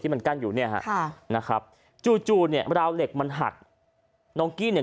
ที่มันกั้นอยู่นะครับจู่เนี่ยราวเหล็กมันหักน้องกี้เนี่ย